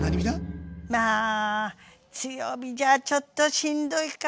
まあ強火じゃちょっとしんどいかな。